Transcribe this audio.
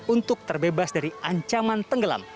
untuk terbebas dari ancaman tenggelam